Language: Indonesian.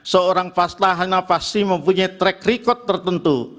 seorang fastahana pasti mempunyai track record tertentu